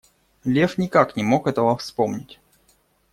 Лев никак не мог этого вспомнить.